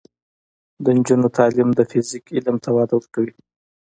د نجونو تعلیم د فزیک علم ته وده ورکوي.